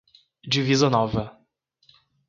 Divisa Nova